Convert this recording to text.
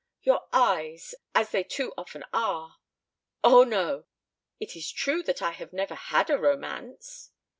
Your eyes as they too often are Oh, no!" "It is true that I have never had a romance."